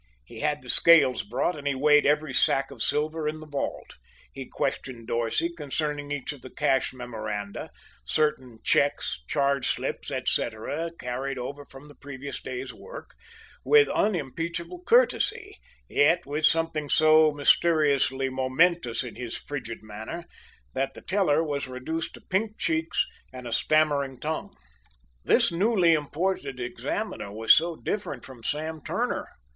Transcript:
He had the scales brought, and he weighed every sack of silver in the vault. He questioned Dorsey concerning each of the cash memoranda certain checks, charge slips, etc., carried over from the previous day's work with unimpeachable courtesy, yet with something so mysteriously momentous in his frigid manner, that the teller was reduced to pink cheeks and a stammering tongue. This newly imported examiner was so different from Sam Turner.